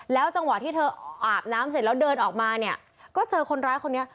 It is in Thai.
จังหวะที่เธออาบน้ำเสร็จแล้วเดินออกมาเนี่ยก็เจอคนร้ายคนนี้